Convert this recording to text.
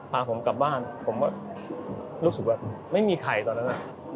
พาผมกลับบ้านผมก็รู้สึกว่าไม่มีใครตอนนั้น